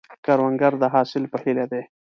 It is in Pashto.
کروندګر د حاصل په هیله دی